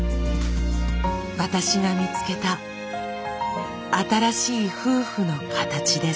私が見つけた新しい夫婦の形です。